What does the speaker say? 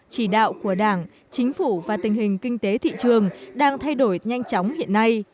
chỉ đạo của đảng chính phủ và tình hình kinh tế thị trường đang thay đổi nhanh chóng hiện nay